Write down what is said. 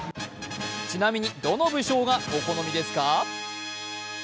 ちなみにどの武将がお好みですか？